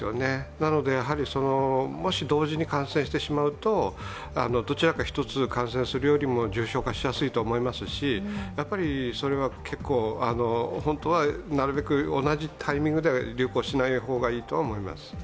なのでやはりもし同時に感染してしまうとどちらか１つ感染するよりも重症化しやすいと思いますしやっぱり本当はなるべく同じタイミングでは流行しない方がいいと思います。